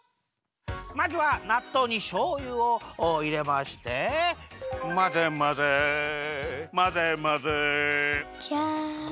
まずはなっとうにしょうゆをいれまして「まぜまぜまぜまぜ」じゃ。